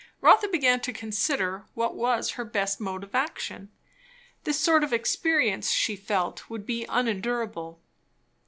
Rotha began to consider what was her best mode of action. This sort of experience, she felt, would be unendurable.